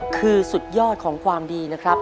คือสุดยอดของความดีนะครับ